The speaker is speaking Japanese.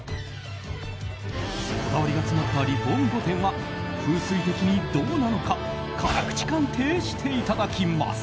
こだわりが詰まったリフォーム御殿は風水的にどうなのか辛口鑑定していただきます。